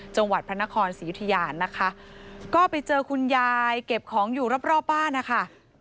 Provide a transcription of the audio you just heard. จังหวัดพระนครศรียุธยานะคะก็ไปเจอคุณยายเก็บของอยู่รอบรอบบ้านนะคะ